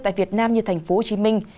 tại việt nam như thành phố hồ chí minh